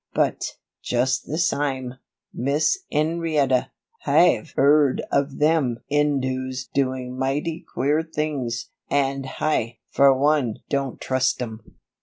But, just the sime, Miss 'Enrietta, Hi've 'eard of them 'Indoos doing mighty queer things, and Hi, for one, don't trust 'em."